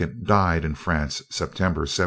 died in France, September, 1701.